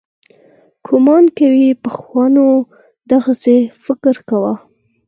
ګومان کوي پخوانو دغسې فکر کاوه.